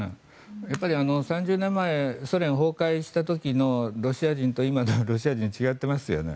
３０年前ソ連崩壊した時のロシア人と今のロシア人は違っていますよね。